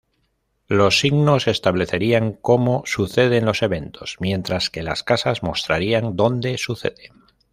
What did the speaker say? Los signos establecerían "como" suceden los eventos, mientras que las casas mostrarían "donde" sucede.